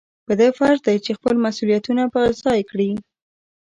په ده فرض دی چې خپل مسؤلیتونه په ځای کړي.